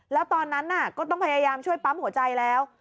แล้วตอนนั้นก็ต้องพยายามช่วยปั๊มหัวใจแล้ว